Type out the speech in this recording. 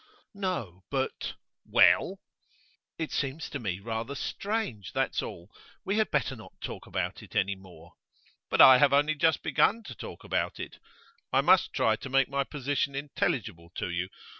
'No, but ' 'Well?' 'It seems to me rather strange, that's all. We had better not talk about it any more.' 'But I have only just begun to talk about it; I must try to make my position intelligible to you.